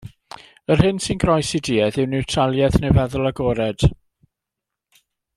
Yr hyn sy'n groes i duedd yw niwtraliaeth neu feddwl agored.